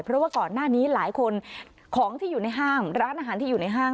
เพราะว่าก่อนหน้านี้หลายคนของที่อยู่ในห้างร้านอาหารที่อยู่ในห้าง